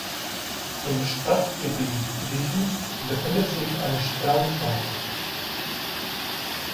Im Stadtgebiet Lychen befindet sich ein Strandbad.